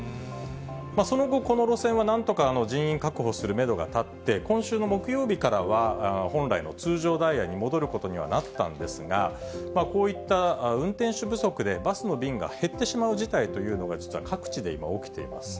その後、この路線はなんとか人員確保するメドが立って、今週の木曜日からは、本来の通常ダイヤに戻ることにはなったんですが、こういった運転手不足でバスの便が減ってしまう事態というのが、実は各地で今、起きています。